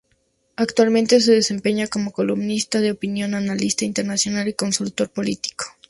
Actualmente se desempeña como columnista de opinión, analista internacional y consultor político.